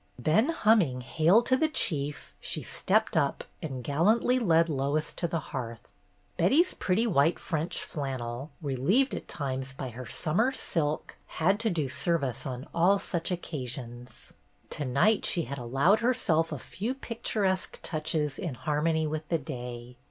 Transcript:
Then humming "Hail to the Chief!" she stepped up and gallantly led Lois to the hearth. Betty's pretty white French flannel, relieved at times by her summer silk, had to do service CHRISTMAS EVE 257 on all such occasions. To night she had allowed herself a few picturesque touches in harmony with the day.